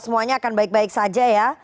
semuanya akan baik baik saja ya